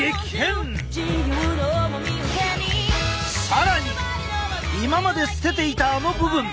更に今まで捨てていたあの部分。